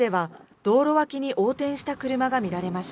道路脇で横転した車も見られました。